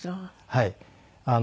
はい。